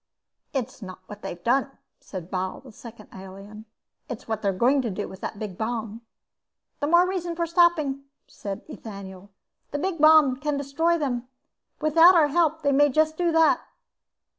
"It's not what they've done," said Bal, the second alien. "It's what they're going to do, with that big bomb." "The more reason for stopping," said Ethaniel. "The big bomb can destroy them. Without our help they may do just that."